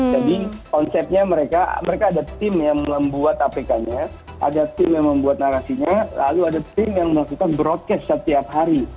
konsepnya mereka ada tim yang membuat apk nya ada tim yang membuat narasinya lalu ada tim yang melakukan broadcast setiap hari